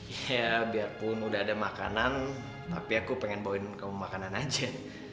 iya biarpun udah ada makanan tapi aku pengen bawain kamu makanan aja